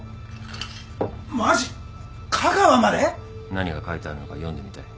何が書いてあるのか読んでみたい。